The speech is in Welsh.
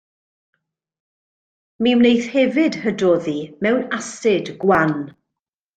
Mi wneith hefyd hydoddi mewn asid gwan.